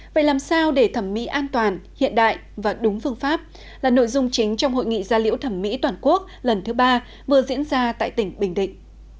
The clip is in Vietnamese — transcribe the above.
vậy làm sao để thẩm mỹ an toàn hiện đại và đúng phương pháp là nội dung chính trong hội nghị gia liễu thẩm mỹ toàn quốc lần thứ ba vừa diễn ra tại tỉnh bình định